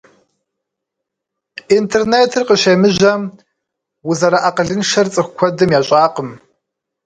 Интернетыр къыщемыжьэм, узэрыакъылыншэр цӏыху куэдым ящӏакъым.